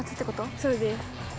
そうです。